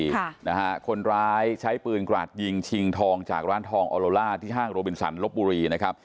ค่ะนะฮะคนร้ายใช้ปืนกราดยิงชิงทองจากร้านทองออโลล่าที่ห้างโรบินสันลบบุรีนะครับ